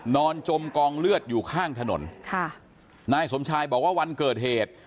จมกองเลือดอยู่ข้างถนนค่ะนายสมชายบอกว่าวันเกิดเหตุ